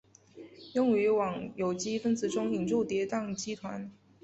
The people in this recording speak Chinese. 用于往有机分子中引入叠氮基团。